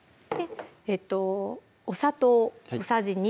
お砂糖小さじ２